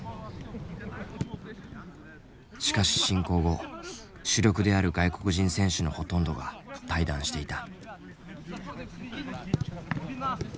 しかし侵攻後主力である外国人選手のほとんどが退団していた。